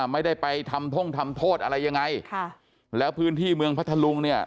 ไม่ได้ไปทำท่งทำโทษอะไรยังไงค่ะแล้วพื้นที่เมืองพัทธลุงเนี่ย